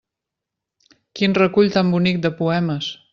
Quin recull tan bonic de poemes!